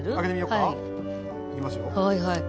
はいはい。